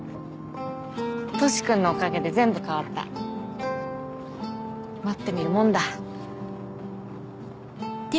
トシ君のおかげで全部変わった待ってみるもんだ。